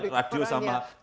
radio sama tv